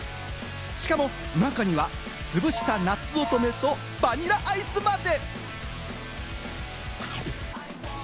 しかも中には、つぶした、なつおとめとバニラアイスまで！